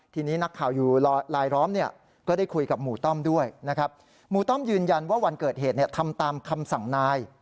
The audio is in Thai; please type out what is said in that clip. แต่หมู่ต้อมโทรเข้ามา